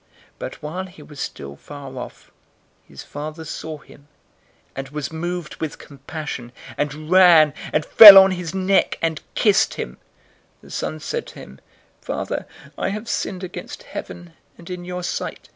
But while he was still far off, his father saw him, and was moved with compassion, and ran, and fell on his neck, and kissed him. 015:021 The son said to him, 'Father, I have sinned against heaven, and in your sight.